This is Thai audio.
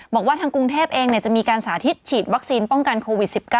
บอกว่าทางกรุงเทพเองจะมีการสาธิตฉีดวัคซีนป้องกันโควิด๑๙